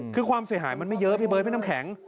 คือความเสียหายมันไม่เยอะพี่เบิร์ดพี่น้ำแข็ง